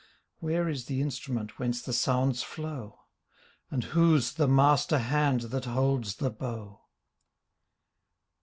Where is the instrument whence the sounds flow? And whose the master hand that holds the bow?